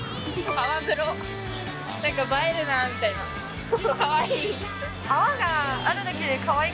なんか映えるなみたいな、かわいい。